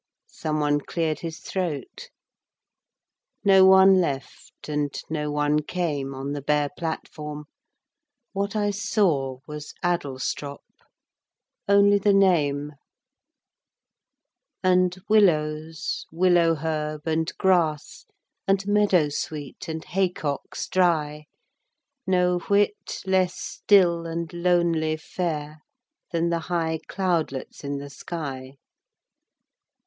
Someone cleared his throat. No one left and no one came On the bare platform. What I saw Was Adlestrop only the name And willows, willow herb, and grass, And meadowsweet, and haycocks dry, No whit less still and lonely fair Than the high cloudlets in the sky.